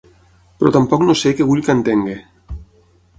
Però tampoc no sé què vull que entengui.